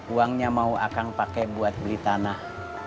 uangnya mau akang pakai buat beli tanah